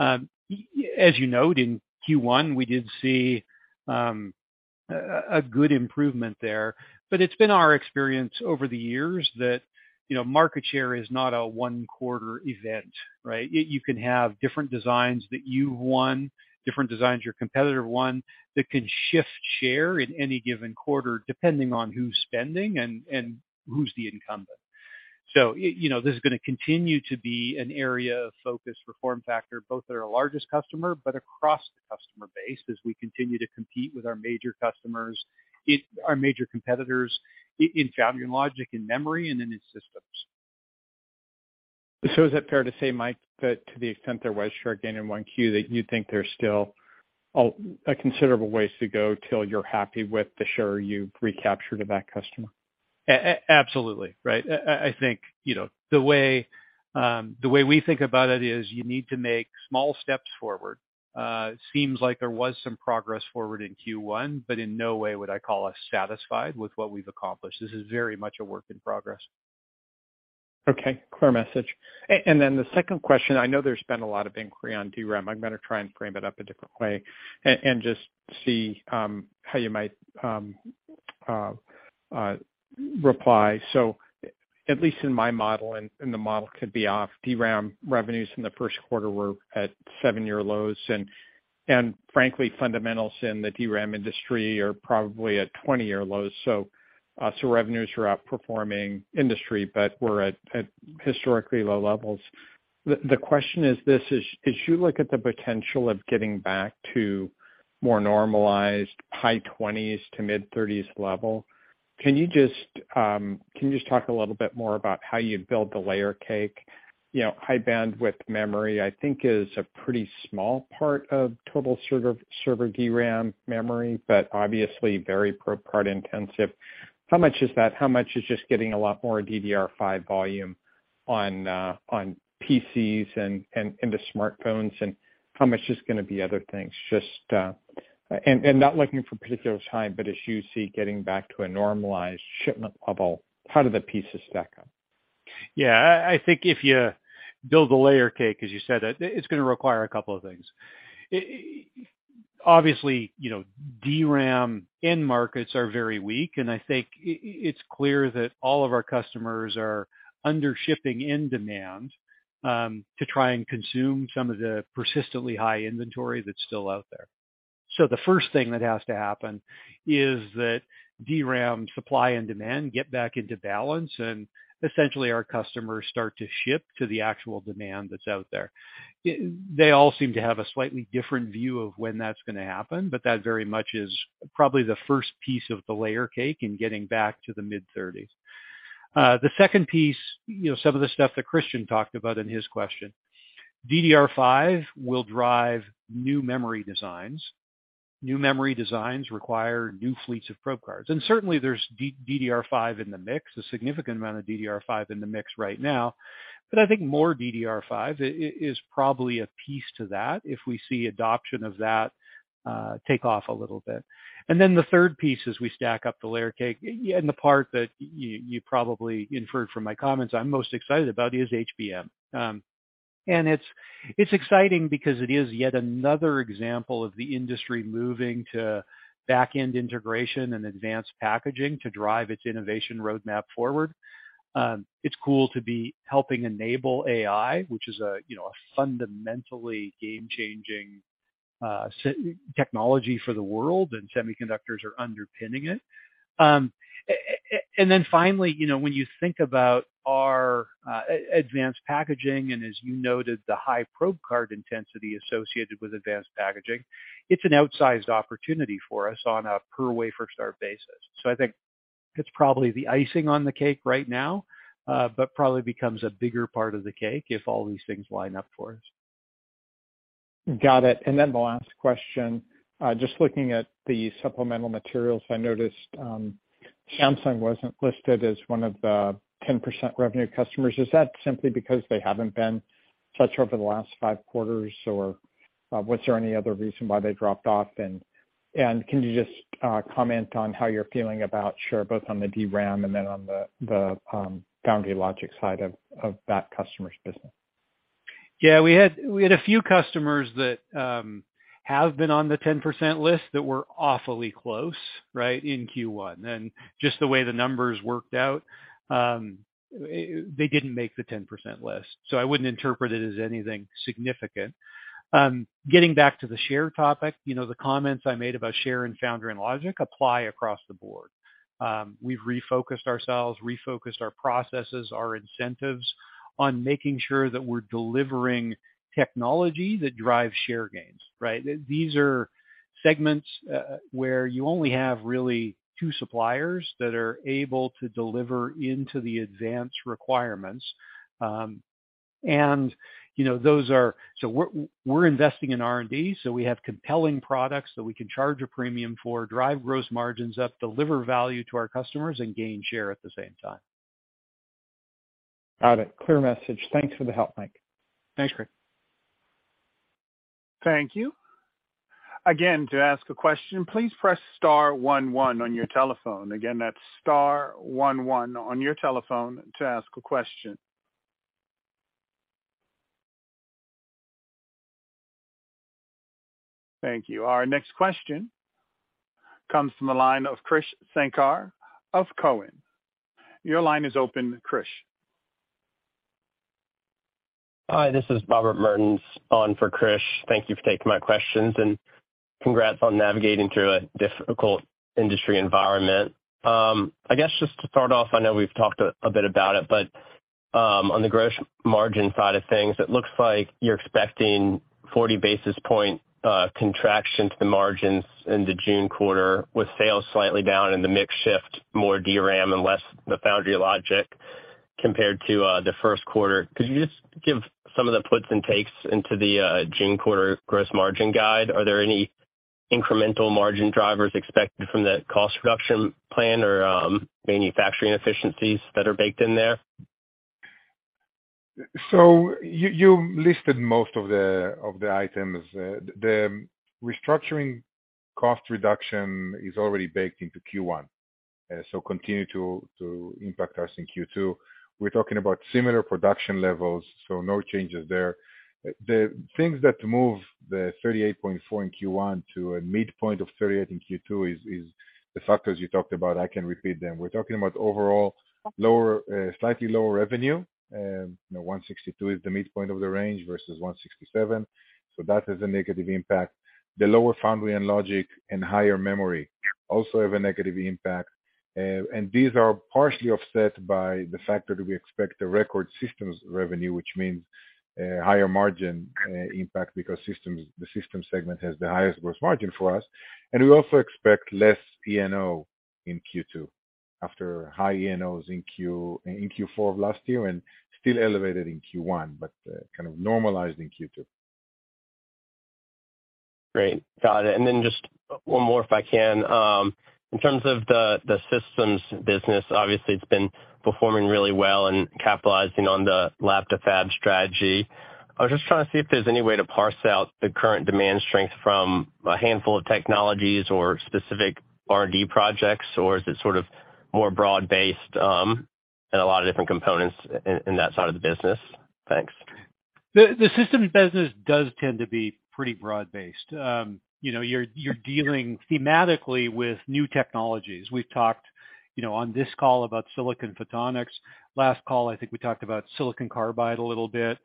As you note in Q1, we did see a good improvement there. It's been our experience over the years that, you know, market share is not a one quarter event, right? You can have different designs that you've won, different designs your competitor won that can shift share in any given quarter depending on who's spending and who's the incumbent. you know, this is gonna continue to be an area of focus for FormFactor, both at our largest customer, but across the customer base as we continue to compete with our major competitors in foundry and logic in memory and in its systems. Is it fair to say, Mike, that to the extent there was share gain in 1Q, that you think there's still a considerable ways to go till you're happy with the share you've recaptured of that customer? Absolutely. Right. I think, you know, the way we think about it is you need to make small steps forward. Seems like there was some progress forward in Q1, but in no way would I call us satisfied with what we've accomplished. This is very much a work in progress. Okay. Clear message. And then the second question, I know there's been a lot of inquiry on DRAM. I'm gonna try and frame it up a different way and just see how you might reply. At least in my model, and the model could be off, DRAM revenues in the first quarter were at seven-year lows, and frankly fundamentals in the DRAM industry are probably at 20-year lows. Revenues are outperforming industry, but we're at historically low levels. The question is this: as you look at the potential of getting back to more normalized high 20s to mid-30s level, can you just talk a little bit more about how you build the layer cake? You know, high bandwidth memory, I think is a pretty small part of total server DRAM memory, but obviously very pro part intensive. How much is that? How much is just getting a lot more DDR5 volume on PCs and into smartphones, and how much is gonna be other things? Just. Not looking for a particular time, but as you see getting back to a normalized shipment level, how do the pieces stack up? Yeah. I think if you build the layer cake, as you said, it's gonna require a couple of things. Obviously, you know, DRAM end markets are very weak, and I think it's clear that all of our customers are under shipping in demand to try and consume some of the persistently high inventory that's still out there. The first thing that has to happen is that DRAM supply and demand get back into balance, and essentially our customers start to ship to the actual demand that's out there. They all seem to have a slightly different view of when that's gonna happen, but that very much is probably the first piece of the layer cake in getting back to the mid-30s. The second piece, you know, some of the stuff that Christian talked about in his question. DDR5 will drive new memory designs. New memory designs require new fleets of probe cards. Certainly there's DDR5 in the mix, a significant amount of DDR5 in the mix right now, but I think more DDR5 is probably a piece to that if we see adoption of that take off a little bit. Then the third piece as we stack up the layer cake, and the part that you probably inferred from my comments I'm most excited about is HBM. It's exciting because it is yet another example of the industry moving to back-end integration and advanced packaging to drive its innovation roadmap forward. It's cool to be helping enable AI, which is a, you know, a fundamentally game-changing technology for the world, and semiconductors are underpinning it. Finally, you know, when you think about our advanced packaging, and as you noted, the high probe card intensity associated with advanced packaging, it's an outsized opportunity for us on a per wafer start basis. I think it's probably the icing on the cake right now, but probably becomes a bigger part of the cake if all these things line up for us. Got it. The last question, just looking at the supplemental materials, I noticed Samsung wasn't listed as one of the 10% revenue customers. Is that simply because they haven't been touched over the last five quarters, or was there any other reason why they dropped off? Can you just comment on how you're feeling about share, both on the DRAM and then on the foundry logic side of that customer's business? Yeah, we had a few customers that have been on the 10% list that were awfully close, right, in Q1. Just the way the numbers worked out, they didn't make the 10% list. I wouldn't interpret it as anything significant. Getting back to the share topic, you know, the comments I made about share and foundry and logic apply across the board. We've refocused ourselves, refocused our processes, our incentives on making sure that we're delivering technology that drives share gains, right? These are segments where you only have really two suppliers that are able to deliver into the advanced requirements. You know, those are... We're investing in R&D, so we have compelling products that we can charge a premium for, drive gross margins up, deliver value to our customers, and gain share at the same time. Got it. Clear message. Thanks for the help, Mike. Thanks, Craig. Thank you. Again, to ask a question, please press star one one on your telephone. Again, that's star one one on your telephone to ask a question. Thank you. Our next question comes from the line of Krish Sankar of Cowen. Your line is open, Krish. Hi, this is Robert Mertens on for Krish. Thank you for taking my questions, and congrats on navigating through a difficult industry environment. I guess just to start off, I know we've talked a bit about it, but on the gross margin side of things, it looks like you're expecting 40 basis point contraction to the margins in the June quarter with sales slightly down and the mix shift more DRAM and less the Foundry logic compared to the first quarter. Could you just give some of the puts and takes into the June quarter gross margin guide? Are there any incremental margin drivers expected from that cost reduction plan or manufacturing efficiencies that are baked in there? You listed most of the items. The restructuring cost reduction is already baked into Q1, continue to impact us in Q2. We're talking about similar production levels, no changes there. The things that move the $38.4 in Q1 to a midpoint of $38 in Q2 is the factors you talked about. I can repeat them. We're talking about overall lower, slightly lower revenue. You know, $162 is the midpoint of the range versus $167. That is a negative impact. The lower Foundry and logic and higher memory also have a negative impact. These are partially offset by the factor that we expect a record systems revenue, which means a higher margin impact because the systems segment has the highest gross margin for us. We also expect less ENO in Q2 after high ENOs in Q4 of last year and still elevated in Q1, but, kind of normalized in Q2. Great. Got it. Just one more, if I can. In terms of the systems business, obviously it's been performing really well and capitalizing on the lab-to-fab strategy. I was just trying to see if there's any way to parse out the current demand strength from a handful of technologies or specific R&D projects, or is it sort of more broad-based, in a lot of different components in that side of the business? Thanks. The systems business does tend to be pretty broad-based. You know, you're dealing thematically with new technologies. We've talked, you know, on this call about silicon photonics. Last call, I think we talked about silicon carbide a little bit.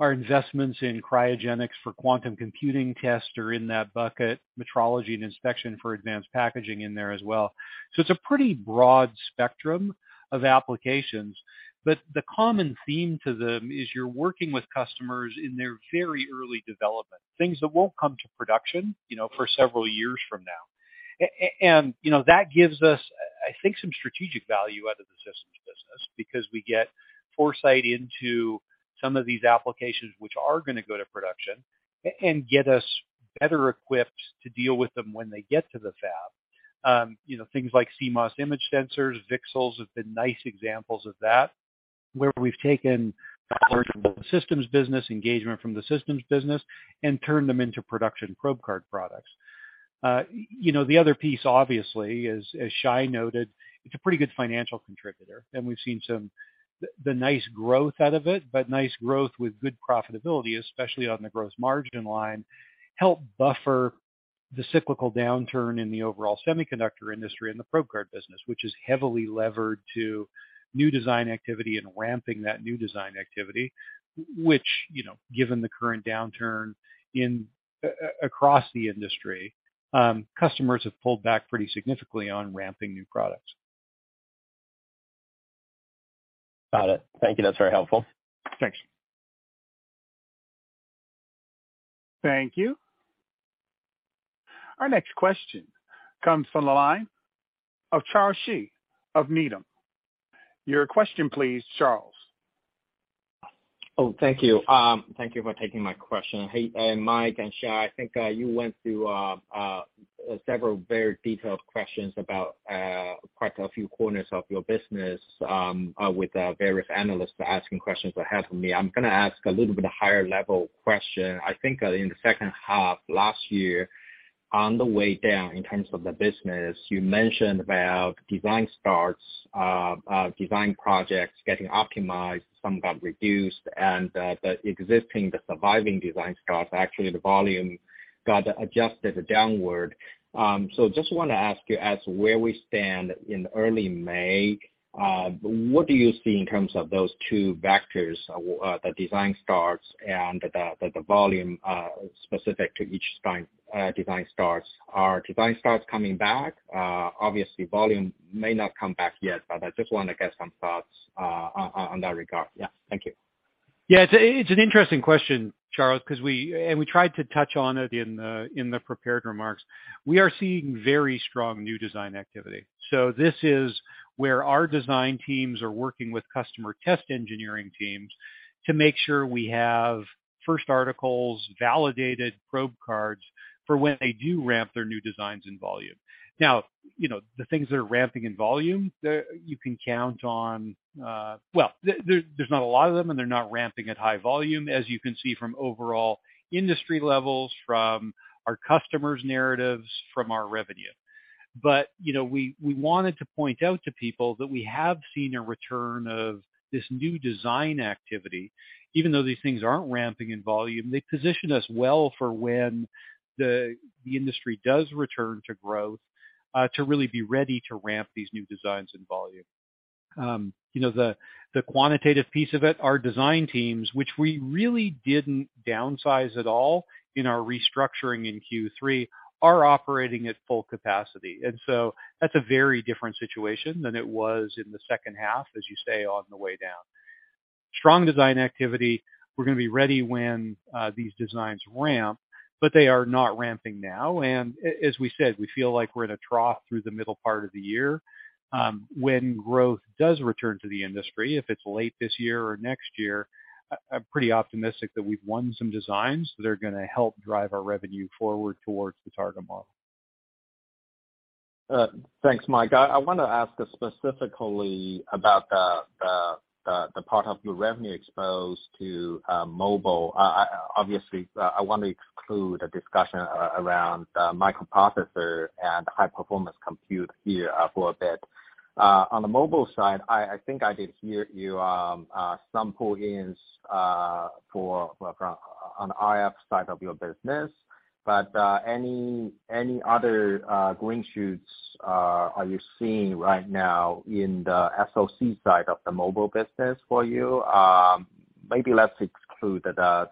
Our investments in cryogenics for quantum computing tests are in that bucket. Metrology and inspection for advanced packaging in there as well. It's a pretty broad spectrum of applications, but the common theme to them is you're working with customers in their very early development, things that won't come to production, you know, for several years from now. You know, that gives us, I think, some strategic value out of the systems business because we get foresight into some of these applications which are gonna go to production and get us better equipped to deal with them when they get to the fab. You know, things like CMOS image sensors, VCSELs have been nice examples of that, where we've taken systems business, engagement from the systems business, and turned them into production probe card products. You know, the other piece obviously is, as Shai noted, it's a pretty good financial contributor, and we've seen some the nice growth out of it, but nice growth with good profitability, especially on the gross margin line, help buffer the cyclical downturn in the overall semiconductor industry and the probe card business, which is heavily levered to new design activity and ramping that new design activity, which, you know, given the current downturn across the industry, customers have pulled back pretty significantly on ramping new products. Got it. Thank you. That's very helpful. Thanks. Thank you. Our next question comes from the line of Charles Shi of Needham. Your question please, Charles. Oh, thank you. Thank you for taking my question. Hey, Mike and Shai, I think you went through several very detailed questions about quite a few corners of your business, with various analysts asking questions ahead of me. I'm gonna ask a little bit higher level question. I think in the second half last year, on the way down in terms of the business, you mentioned about design starts, design projects getting optimized, some got reduced, and the existing, the surviving design starts, actually the volume got adjusted downward. Just wanna ask you as where we stand in early May, what do you see in terms of those two vectors, the design starts and the volume, specific to each design starts? Are design starts coming back? Obviously volume may not come back yet, but I just wanna get some thoughts on that regard. Yeah. Thank you. Yeah. It's an interesting question, Charles, because we tried to touch on it in the prepared remarks. We are seeing very strong new design activity. This is where our design teams are working with customer test engineering teams to make sure we have first articles, validated probe cards for when they do ramp their new designs in volume. You know, the things that are ramping in volume, you can count on, Well, there's not a lot of them, and they're not ramping at high volume, as you can see from overall industry levels, from our customers' narratives, from our revenue. You know, we wanted to point out to people that we have seen a return of this new design activity. Even though these things aren't ramping in volume, they position us well for when the industry does return to growth, to really be ready to ramp these new designs in volume. You know, the quantitative piece of it, our design teams, which we really didn't downsize at all in our restructuring in Q3, are operating at full capacity. That's a very different situation than it was in the second half, as you say, on the way down. Strong design activity, we're gonna be ready when these designs ramp, but they are not ramping now. As we said, we feel like we're in a trough through the middle part of the year. When growth does return to the industry, if it's late this year or next year, I'm pretty optimistic that we've won some designs that are gonna help drive our revenue forward towards the target model. Thanks, Mike. I wanna ask specifically about the part of your revenue exposed to mobile. Obviously, I want to exclude a discussion around microprocessor and high-performance compute here for a bit. On the mobile side, I think I did hear you some pull-ins for, well, from on RF side of your business. Any other green shoots are you seeing right now in the SoC side of the mobile business for you? Maybe let's exclude the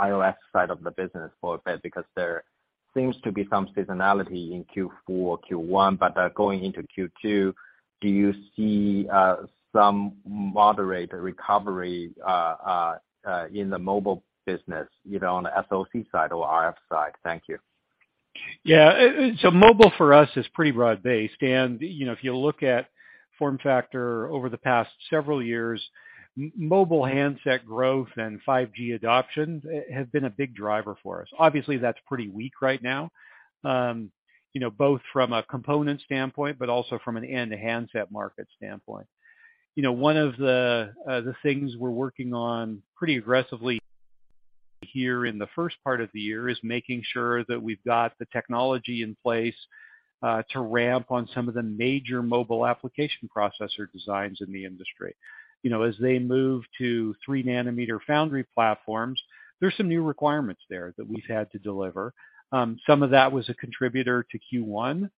iOS side of the business for a bit because there seems to be some seasonality in Q4, Q1, going into Q2, do you see some moderate recovery in the mobile business, either on the SoC side or RF side? Thank you. Yeah. So mobile for us is pretty broad-based. You know, if you look at FormFactor over the past several years, mobile handset growth and 5G adoption has been a big driver for us. Obviously, that's pretty weak right now, you know, both from a component standpoint, but also from an end handset market standpoint. One of the things we're working on pretty aggressively here in the first part of the year is making sure that we've got the technology in place to ramp on some of the major mobile application processor designs in the industry. As they move to three nanometer foundry platforms, there's some new requirements there that we've had to deliver. Some of that was a contributor to Q1.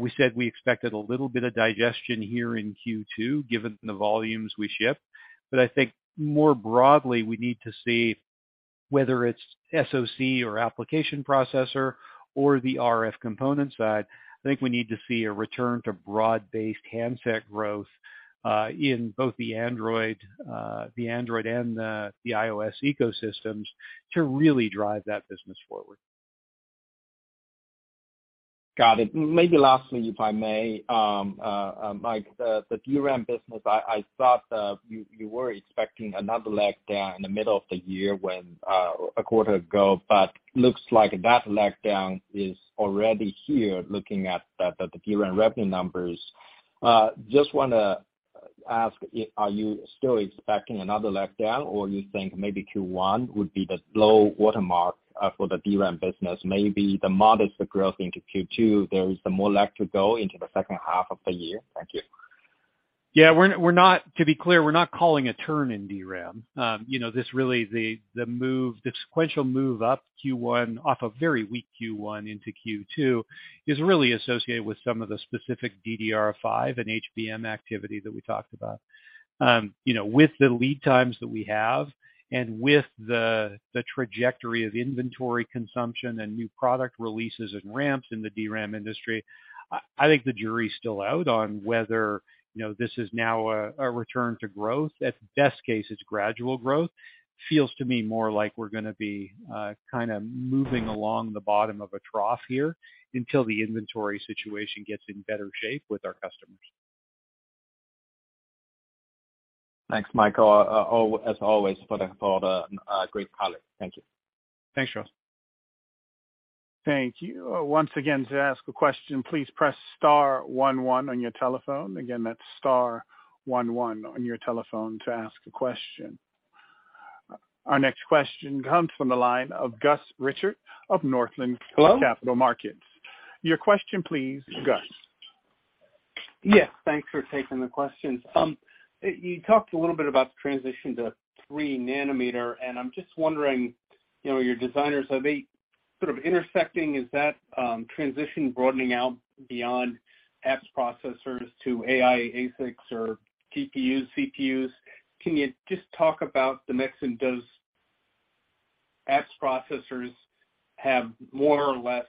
We said we expected a little bit of digestion here in Q2, given the volumes we ship. I think more broadly, we need to see whether it's SoC or application processor or the RF component side. I think we need to see a return to broad-based handset growth in both the Android and the iOS ecosystems to really drive that business forward. Got it. Maybe lastly, if I may, Mike, the DRAM business, I thought you were expecting another leg down in the middle of the year when a quarter ago, but looks like that leg down is already here, looking at the DRAM revenue numbers. Just wanna ask if are you still expecting another leg down, or you think maybe Q1 would be the low watermark for the DRAM business? Maybe the modest growth into Q2, there is some more leg to go into the second half of the year. Thank you. Yeah. To be clear, we're not calling a turn in DRAM. you know, this really the move, the sequential move up Q1 off a very weak Q1 into Q2 is really associated with some of the specific DDR5 and HBM activity that we talked about. you know, with the lead times that we have and with the trajectory of inventory consumption and new product releases and ramps in the DRAM industry, I think the jury is still out on whether, you know, this is now a return to growth. At best case, it's gradual growth. Feels to me more like we're gonna be, kinda moving along the bottom of a trough here until the inventory situation gets in better shape with our customers. Thanks, Mike. as always for the great color. Thank you. Thanks, Charles. Thank you. Once again, to ask a question, please press star one one on your telephone. Again, that's star one one on your telephone to ask a question. Our next question comes from the line of Gus Richard of Northland. Hello? Capital Markets. Your question, please, Gus. Yes, thanks for taking the questions. You talked a little bit about the transition to 3 nanometer, and I'm just wondering, you know, your designers, are they sort of intersecting? Is that transition broadening out beyond apps processors to AI, ASICs or TPUs, CPUs? Can you just talk about the mix and does apps processors have more or less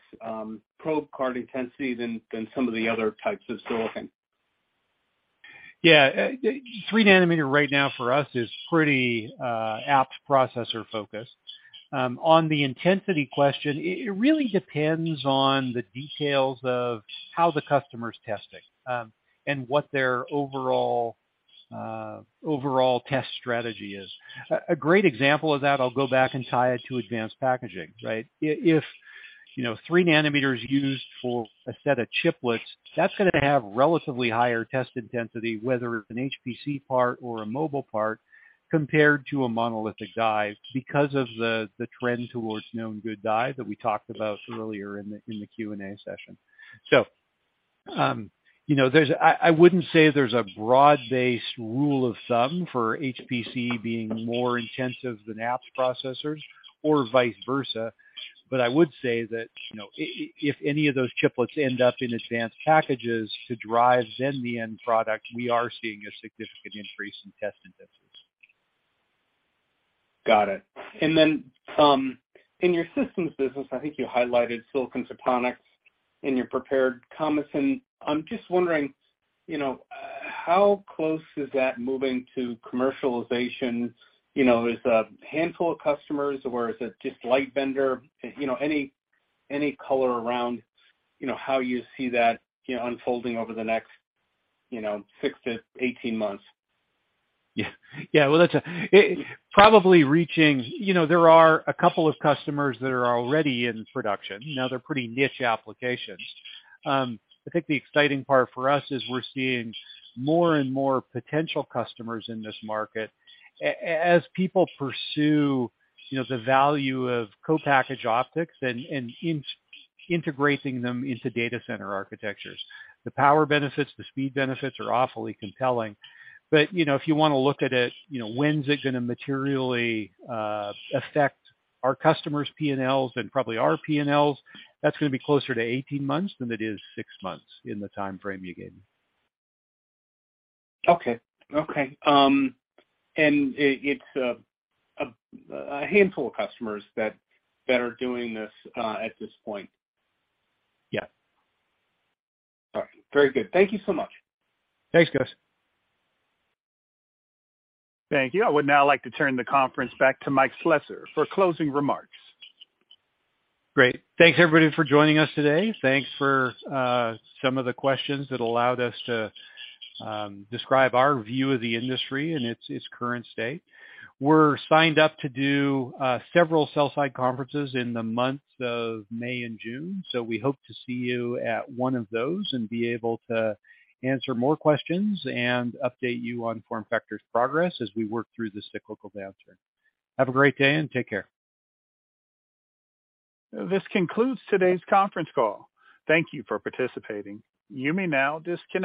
probe card intensity than some of the other types of silicon? Yeah. 3 nanometer right now for us is pretty app processor-focused. On the intensity question, it really depends on the details of how the customer's testing, and what their overall test strategy is. A great example of that, I'll go back and tie it to advanced packaging, right? If, you know, 3 nanometer used for a set of chiplets, that's gonna have relatively higher test intensity, whether it's an HPC part or a mobile part, compared to a monolithic die because of the trend towards known good die that we talked about earlier in the Q&A session. You know, there's. I wouldn't say there's a broad-based rule of thumb for HPC being more intensive than apps processors or vice versa, but I would say that, you know, if any of those chiplets end up in advanced packages to drive then the end product, we are seeing a significant increase in test intensity. Got it. In your systems business, I think you highlighted silicon photonics in your prepared comments, and I'm just wondering, you know, how close is that moving to commercialization? You know, is it a handful of customers, or is it just light vendor? You know, any color around, you know, how you see that, you know, unfolding over the next, you know, 6-18 months? Yeah. Yeah. Well, that's probably reaching. You know, there are a couple of customers that are already in production. Now, they're pretty niche applications. I think the exciting part for us is we're seeing more and more potential customers in this market as people pursue, you know, the value of co-packaged optics and integrating them into data center architectures. The power benefits, the speed benefits are awfully compelling. You know, if you wanna look at it, you know, when's it gonna materially affect our customers' P&Ls and probably our P&Ls, that's gonna be closer to 18 months than it is 6 months in the timeframe you gave me. Okay. Okay. It's a handful of customers that are doing this at this point? Yeah. All right. Very good. Thank you so much. Thanks, Gus. Thank you. I would now like to turn the conference back to Mike Slessor for closing remarks. Great. Thanks, everybody, for joining us today. Thanks for some of the questions that allowed us to describe our view of the industry in its current state. We're signed up to do several sell-side conferences in the months of May and June. We hope to see you at one of those and be able to answer more questions and update you on FormFactor's progress as we work through this cyclical downturn. Have a great day, and take care. This concludes today's conference call. Thank You for participating. You may now disconnect.